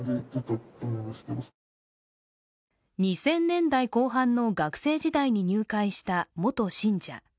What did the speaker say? ２０００年代後半の学生時代に入会した、元信者。